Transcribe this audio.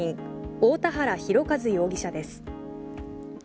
大田原広和容疑者です。